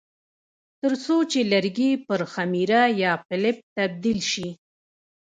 ترڅو چې لرګي پر خمیره یا پلپ تبدیل شي.